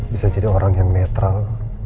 bisa jadi orang yang netral